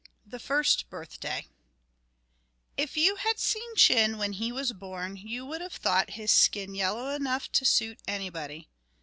THE FIRST BIRTHDAY IF you had seen Chin when he was born, you would have thought his skin yellow enough to suit anybody.